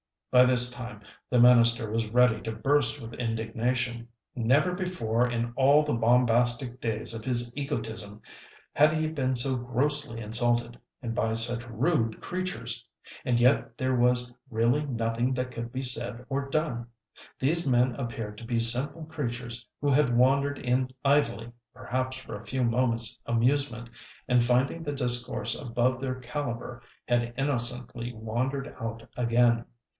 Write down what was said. By this time the minister was ready to burst with indignation. Never before in all the bombastic days of his egotism had he been so grossly insulted, and by such rude creatures! And yet there was really nothing that could be said or done. These men appeared to be simple creatures who had wandered in idly, perhaps for a few moments' amusement, and, finding the discourse above their caliber, had innocently wandered out again.